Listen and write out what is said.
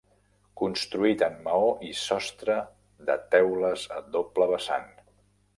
Construït en maó i sostre de teules a doble vessant.